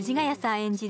演じる